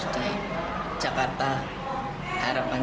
di jakarta harapan tiga